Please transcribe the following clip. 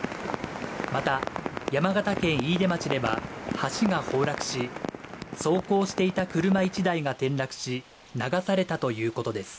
また山形県飯豊町では橋が崩落し走行していた車１台が転落し流されたということです